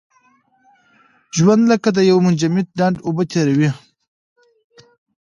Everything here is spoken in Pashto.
ژوند لکه د یو منجمد ډنډ اوبه تېروي.